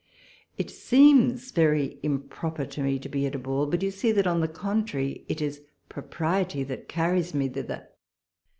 It seems very improper to me to be at a ball ; but you see that, on the contrary, it is propriety that carries me thither.